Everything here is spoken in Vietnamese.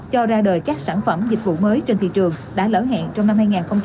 cho ra đời các sản phẩm dịch vụ mới trên thị trường đã lỡ hẹn trong năm hai nghìn hai mươi